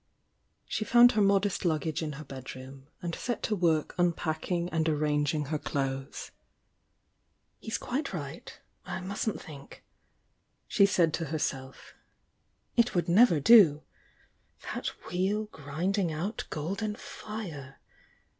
She found her modest luggage in her bedroom, and set to work unpacking and arrangine her clothes. "He's quite right,— I mustn't think!" she said to herself "It would never do! That wheel grinding out golden fire!